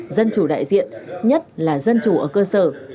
dân chủ đại diện nhất là dân chủ ở cơ sở